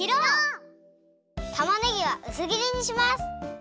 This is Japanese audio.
たまねぎはうすぎりにします！